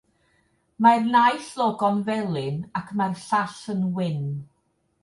Mae'r naill logo'n felyn ac mae'r llall yn wyn.